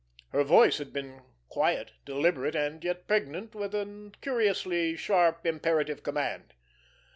Her voice had been quiet, deliberate, and yet pregnant with a curiously sharp, imperative command.